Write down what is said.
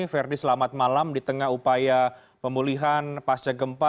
ferdi selamat malam di tengah upaya pemulihan pasca gempa